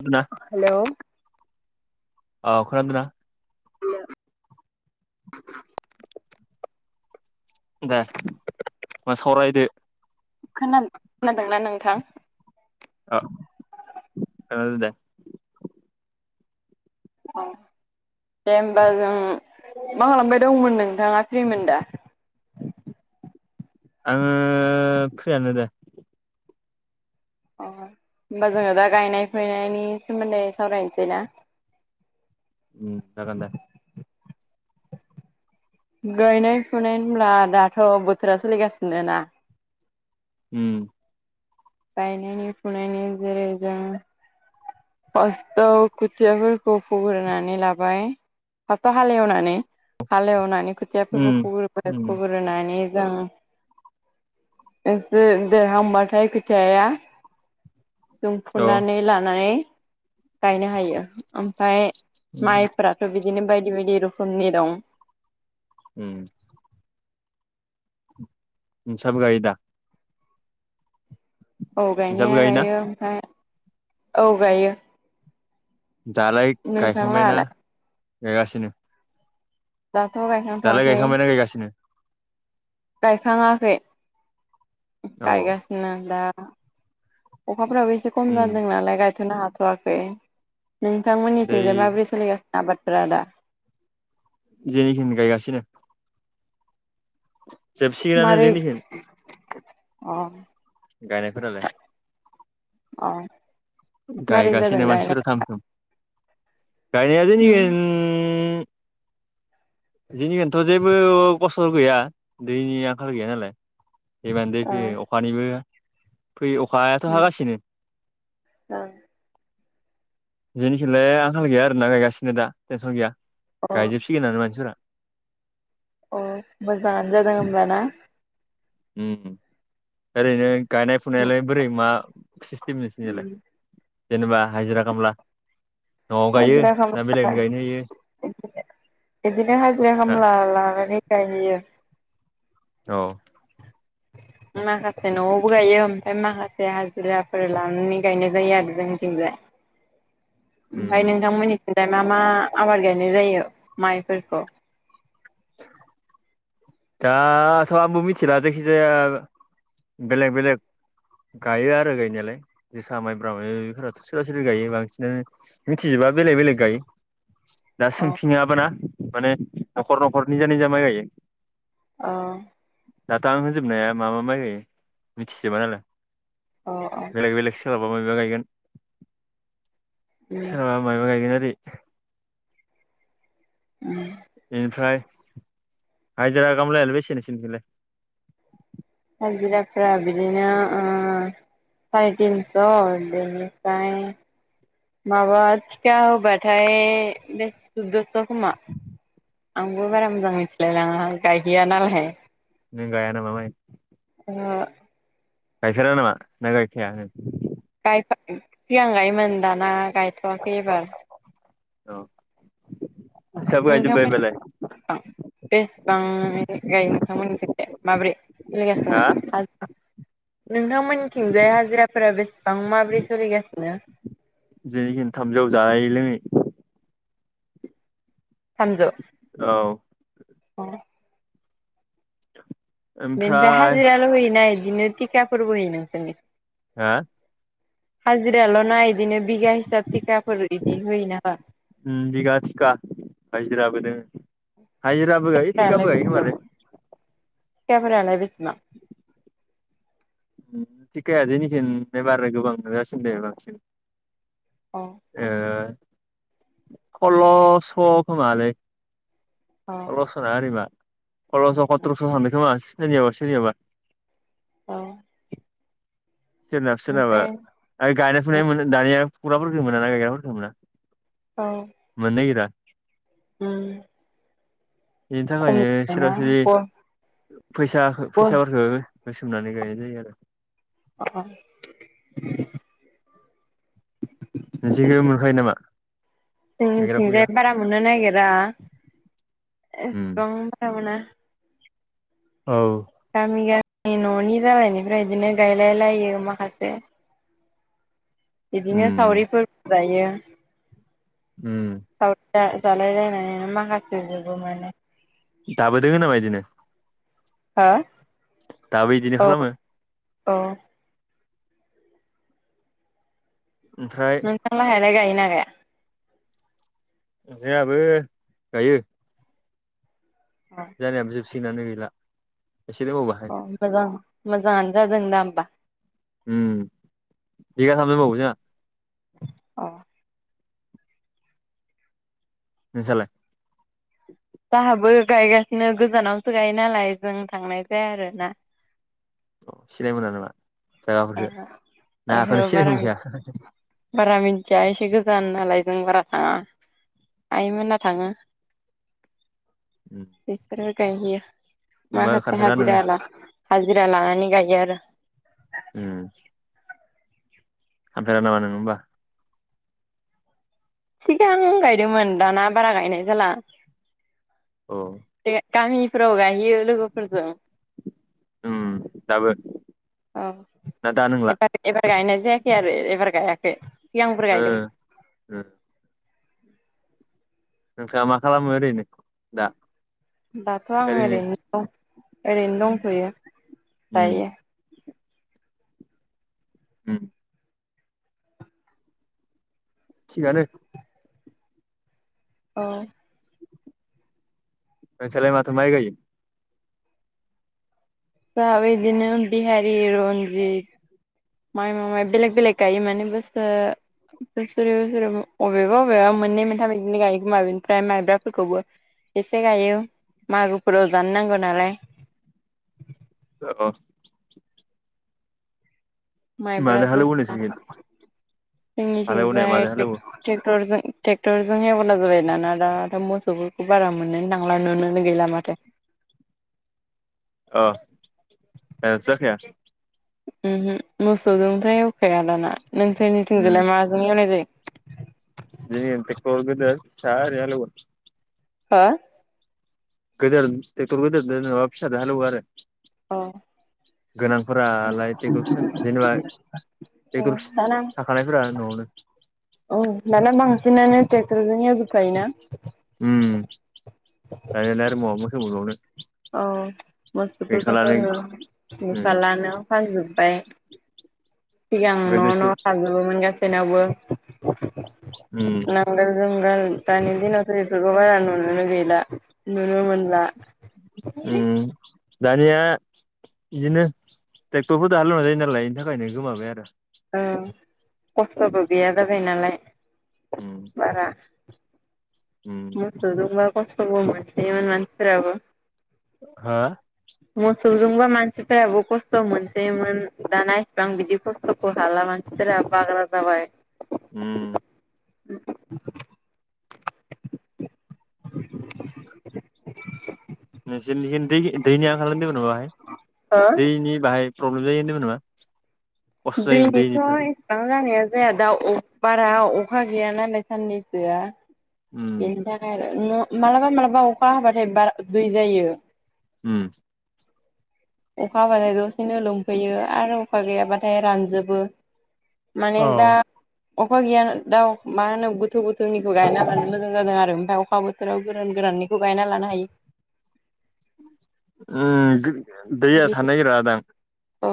खोनादोंना हेल' औ खोनादोंना? दे मा सावरायदो। खोनाद- खोनादोंना नोंथां? ओ [unintelligible] औ दे होमबा जों मा खालामबाय दंमोन नोंथाङा फ्रिमोन दा? आङो फ्रियानो दा। अ। होमबा जोङो दा गायनाय-फुनायनि सोमोन्दै सावरायनोसै ना? उम जागोन दे। गायनाय-फुनाय होनब्ला दाथ' बोथोरा सोलिगासिनो ना। उम। गायनायनि फुनायनि जेरै जों फास्ताव खुथियाफोरखौ फुग्रोनानै लाबाय, फार्स्टाव हालेवनानै हालेवनानै खोथियाफोरखौ उम फुग्रोबाय उम फुग्रोनानै जों एसे देरहांबाथाय खो थियाया जों औ फुनानै लानानै गायनो हायो। ओमफ्राय माइफोराथ' बिदि बिदिनो बायदि बायदि रुखुमनि दं। उम। मसाबो गायोदा? औ नोंसाबो गायनाया गायोना गायो ओमफाय, औ गायो।। दालाय गायखांबायना नोंथांलाहालाय गायगासिनो? दाथ' दालाय गायखांथ'वाखै गायखांबायना गायगासिनो? गायखाङाखै औ गायगासिनो दा अखाफ्राबो एसे खम उम जादों नालाय गायथ'नो हाथ'वाखै दै नोंथांमोननिथिंजाय माबोरै सोलिगासिनो आबादफोरा दा जोंनिखिनि गायगासिनो जोबसिगोनानो मारै जोंनिखै अ गायनायफोरालाय अ मारै जादों गायगासिनो गायनाय मानसिफोरा थाम थुम गायनाया अ जोंनिखै उम ओम जोंनिखैथ' जेबो गसर गैया दैनि आंखाल गैया नालाय जेमान दै अ फैयो अखानिबो फैयो अखायाथ' हागासिनो ओं जोंनिखिलाय आंखाल गैया आरोना गायगासिनो दा टेनसन गैया गायजोबसिगोनानो मानसिफोर अ मोजाङानो जादों होमबा ना उम ओरैनो गायनाय उम फुनायालाय बोरै मा सिस्टेम नोंसिनिलाय उम जेनेबा हाजिरा खामला न'आव गायो हाजिरा ना खामला बेलेगनो गायनो होयो बिदिनो हाजिरा हा खामला लानानै गायहैयो औ [inaudible] माखासे न'आवबो गायो ओमफ्राय माखासे हाजिराफोर लानानै गायनाय जायो आरो जोंथिंजाय [inaudible] उम ओमफ्राय नोंथांमोननिथिफ्राय मा मा आबाद गायनाय जायो माइफोरखौ दा थ' आंबो मिथिला जायखिजाया बेलेग बेलेग गायो आरो गायनायालाय जोसा माइब्रा माय बेफोराथ' सोरबा सोरबि गायो बांसिनानो मिथिजोब बा बेलेग बेलग गायो दा अ सोंथिङा बोनो माने न'खर न'खर निजा निजा माइ गायो अ दाथ' आं होजोबनो हाया मा मा माय गायो मिथिजोबा नालाय अ अ सोलाबा मायबा गायगोन उम सोलाबा मायबा गायगोन आरो [inaudible] उम बेनिफ्राय हाजिरा खामलायालाय बेसे नोंसिनिथिंलाय हाजिराफोरा बिदिनो ओ साराय तिनस' दैनिफ्राय माबा थिखा होबाथाय नों थ' खोमा आंबो बारा मोजां मिथिलाय लाङाहाय गायहैया नालाय नों गाया नामा माइ ओहो गायथेरा नामा ना गायखाया हो सिगां गायोमोन दाना गायथ'वाखै एबार औ सब गायजोबबाय बालाय औ बेसेबां गायो नोंथांमोननि खैजाय माबोरै सोलिगासिनो हा हाजिरा नोंथांमोननिथिंजाय हाजिराफोरा बेसेबां माब्रै सोलिगासिनो जेखिनि थामजौ जायै लोङै थामजौ औ अ । [inaudible] बेनिफ्राय ओमफ्राय हाजिराल' होयोना बिदिनो टिखा फोरबो होयो नोंसोरनि हा हाज्रिल' ना बिदिनो बिगा हिसाब थिखाफोर बिदि हो नामा? हाजिरा बोदों हायजिराब गाय थिख थिखाफोरालाय आबो गायो बेसेबां खोमालै थिखाफोरालाय बेसेबां उम थिखाया जोंनिखि एबाराय गोबां नु जासिनो दे बांसिन अ ओ सल्ल'स' खोमालै अ आल'सना आरिमा सलस सथ्र'स' थांङोखोमा सोरनियाबा सोरनियाबा औ सोरनाब सोरनाबा ओमफ्राय आरो गायनाय फुनाय मोनो दानिया फुग्राफोरखौ मोना ना गायग्राफोरखौ मोना औ मोनो नागिरा उम । बेनि थाखायनो सोरबा सोरबि ग फैसा ग फैसाफोरखौ होसोमनानै गायनाय जायो आरो औ । नोंसोरनिखै मोनखायो नामा? गायग्रा जोंनिथिंजाय फुग्रा बारा मोननो नागिरा उम एसेबां बारा मोना । औ गामि गामि न'नि जालायनायफ्राय बिदिनो गायलायलायो माखासे ‌। बिदिनो उम सावरिफोरबो जायो । उम । जा जालायलाय ना माखासि जगौमोन दाबो दंङ नामा इदिनो? हो? दाबो बिदिनो खालामो? ओ । ओमफ्राय नोंथांमोनहालाय गायोना गाया? जोंहाबो गायो । अ जोंहानाबो जोबसिगोनानो गैला । अ मोजां मोजाङानो जादों दा होमबा । ओम बिगाथामसो दंबावो जोंना । अ। नोंसालाय? जाहाबो गायगासिनो गोजानावसो गायो नालाय जों थांनाय जाया आरोना । अ सिनायाय मोना नामा जायगाफोरखौ ओहो नाखौनो ओहो सिनाय बारा मोनखैया बारा मिथिया एसे गोजान नालाय जों बारा थाङा । आइमोना थाङो बिसोरबो गायहैयो । होमबा माखासे खारफेरा नोङो हाजिरा हाजिरा लानानै गायो आरो । उम । थांफेरा नामा नों होमबा? सिगांं गायदोंमोन दाना बारा गायनाय जाला । ओ । गामिफ्राव गाहयो लोगोफोरजों । उम दाबो । औ एबार एबार गायनाय जायाखै आरो एबार गायाखै । ओ ओ । नोंथाङा मा खालामो ओरैनो दा? दाथ' आं ओरैनो द ओरैनो दंथ'यो उम दायो । उम । थिगानो। औ। नोंसलाय माथो माय गायो। जोंहाबो इदिनो बिहारि रन्जिद माइ माय बेलेग बेलेग गायो माने बसो बोसोरो बोसोर बबेबा बबेबा मोननै मोनथाम बिदिनो गायोखोमा बेनिफ्राय माइब्राफोरखौबो एसे गायो मागोफोराव जानो नांगौ नालाय औ। माइब्रा माजों हालेवो जोसा नोंसोरनिखै हालेवनाया जोंनिथिंजाय माजों हालेवो ट्रेक्टरजों ट्रेक्टरजों हेवला जाबाय दाना दाथ' मोसौफोरखौ बारा मोनो थांला नुोनो गैला माथो। अ ओ जाखाया मोसौजोंथ' एवखाया दाना उम नोंसोरनिथिंजिलाय माजों एवनाय जायो। जोंनिखै टेगटर गिदिर फिसा ओरैनो हालेवो हा गदेर टेगथर गदेरजों नङाबा फिसाजों हालौयो आरो। औ। गोनांफोरालाय ट्रेक्ट'र फिसा जेनेबा अ बे दाना थाखानायफोरा न'आवनो दाना बांसिनानो ट्रेक्ट'रजों एवजोबखायो ना उम आरो म मवफैबावनो औ मोसौफोरखौथ' उम नुफालानो फानजोबबाय सिगां न' न' गोदोसो थाजोबोमोन गासैनावबो उम नांगल जगल दानि दिनावथ एफोरखौ बारा नु नो गैला नुनो मोनला उम दानिया बिदिनो ट्रेक्टरफोर दाह लुना जायो नालाय बेनि थाखायनो गोमाबाय आरो। ओ खस्थ'बो गैया जाबाय नालाय उम बारा उम मोसौ बा खस्थ' बौ मोनसेै इ मोनसिफोराबो हा मोसौजोंबा मानसिफोराबो खस्थ' मोनसोयोमोन दाना इसिबां बिदि खस्थ'खौ हाला मानो बागरा जाबाय उम। [unintelligible] [unintelligible] नोंसोर दै दैनिया आंखारदोंमोन न बाहाय हो दैनि बाहाय प्रब्लेम जायो मोनामा दैनिथ' इसेबां जानाया जाया दा बारा अखा गैया नालाय साननैसोआ उम बेनि थाखाय आरो मालाबा मालाबा अखा हाबाथाय बारा दै जायो उम। अखा हाबाथाय दसेनो लोमफैयो आरो अखा गैयाबाथाय रानजोबो माने औ दा अखा गैयान दाउ मा होनो गोथौ गोथौनिखौ गायनालानो मोजां जादों आरो ओमफफ्राय अखा बोथोराव गोरान गोरा खौ गायना लानो हायो। उम दै थानो नागिर दां। औ।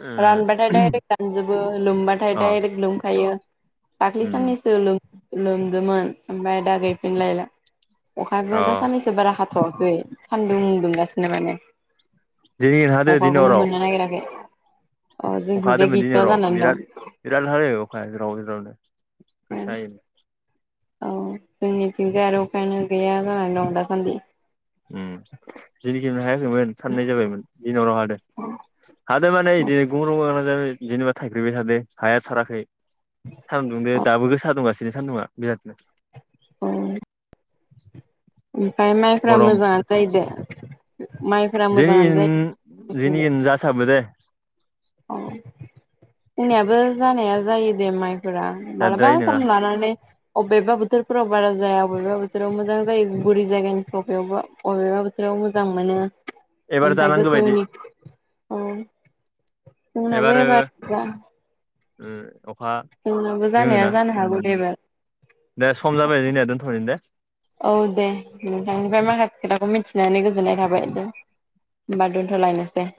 उम रानबाथाय दडायरेक्ट रानजोबो लोमबाथाय अ दडाइरेक्ट लुमखायो। उम दाखलैसाननैसो लोमदोंमोन ओमफ्राय दा गोयफिनलायला। अखायाबो अ दा साननैसो बारा हाथ'वाखै सान्दुं दुंगासिनो माने दिनै हादो अखा दिनै खौनो हराव मोननो नागिराखै अ अखा जोंथिंजाय हादोंमोन दिनै गैथ'वा हराव जानानै दं बिराद बिराद हादों अखाया राव रावनो गोसायै औ जोंनिथिंजाय आरो अखायानो गैया जानानै दं दासान्दि उम जोंनिखै बेहाय मोन साननै जाबाय मोन दिनि हरआव हादों। हादों माने इदि गंग्रं गांग्रां [unintelligible] जेनेबा थाइफ्रिबाय थादो हाया साराखै सानदुंदो दाबो गोसा दुंगासि बे सान‌दुङा बिरादनो अ ओमफाय माइफ्रा गरम मोजाङानो बोथोरा जायोदे माइफोरा जोंनि मोजाङानो जायो। जोंनिखिन [inaudible] जासाबो दे अ जोंनियाबो जानाया जायो दे माइ फोरा मालाबा जाद्रायै नङा सम लानानै अबेबा बोथोरफोराव बारा जाया अबेबा बोथोराव मोजां जायो बोरि जायगानिफ्राव [unintelligible] अबेबा बोथोराव मोजां मोनो एबार ओमफ्राय जानांगौ बायदि गोथौनि औ आंनाबो एबार [unintelligible] ओ अखा नोंनाबो दोङो जानाया ना जानो हागौ उम दे दे सम एबार जाबाय जोंनिया दोनथ'नो दे औ दे नोंथांनिफ्राय माखा खोथाखौ मिथिनानै गोजोननाय थाबाय दे होमबा दोनथ'लायनोसै [inaudible]